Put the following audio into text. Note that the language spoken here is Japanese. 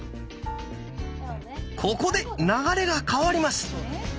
ここで流れが変わります。